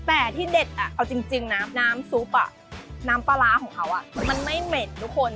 แต่ที่เด็ดเอาจริงนะน้ำซุปน้ำปลาร้าของเขามันไม่เหม็นทุกคน